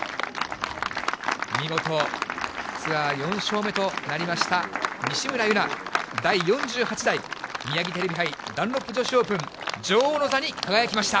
見事、ツアー４勝目となりました、西村優菜、第４８代ミヤギテレビ杯ダンロップ女子オープン女王の座に輝きました。